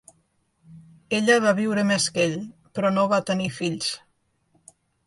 Ella va viure més que ell, però no va tenir fills.